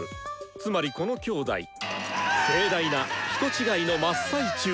つまりこの兄弟盛大な人違いの真っ最中である。